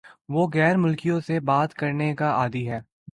وہ غیر ملکیوں سے بات کرنے کا عادی ہے